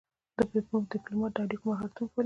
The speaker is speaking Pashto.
ډيپلومات د اړیکو مهارتونه پالي.